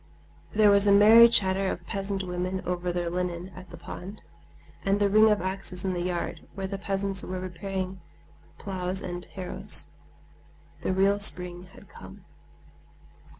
There was a merry chatter of peasant women over their linen at the pond, and the ring of axes in the yard, where the peasants were repairing ploughs and harrows. The real spring had come.